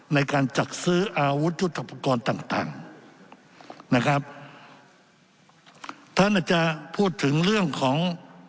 ในการจัดซื้ออาวุธยุทธปกรณ์ต่างต่างนะครับท่านอาจจะพูดถึงเรื่องของ